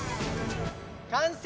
完成！